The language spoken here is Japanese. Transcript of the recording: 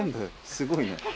すごいね。